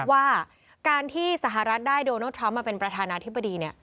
ว่าการที่สหรัฐได้โดนัลดทรัมป์มาเป็นประธานาธิบดี